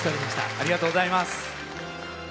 ありがとうございます。